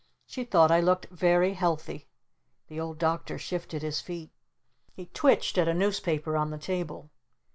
She thought I looked 'very healthy'!" The Old Doctor shifted his feet. He twitched at a newspaper on the table.